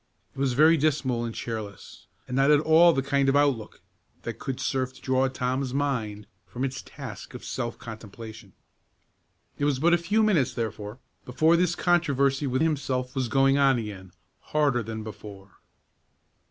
It was very dismal and cheerless, and not at all the kind of outlook that could serve to draw Tom's mind from its task of self contemplation. It was but a few minutes, therefore, before this controversy with himself was going on again, harder than before.